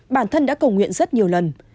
bản thân đã cầu nguyện rất nhiều lần